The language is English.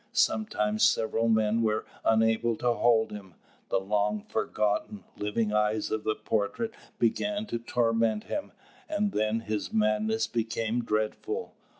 Sometimes several men were unable to hold him. The long forgotten, living eyes of the portrait began to torment him, and then his madness became dreadful.